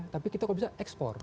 tapi kita kok bisa ekspor